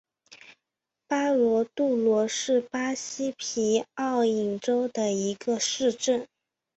巴罗杜罗是巴西皮奥伊州的一个市镇。